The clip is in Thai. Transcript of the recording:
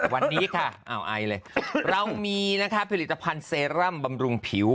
วันนี้ค่ะอ่าวไอเลยเรามีนะคะผลิตภัณฑ์เซรั่มบำรุงผิว